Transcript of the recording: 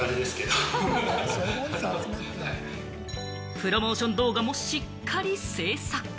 プロモーション動画もしっかり制作。